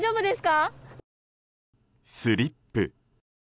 スリップ。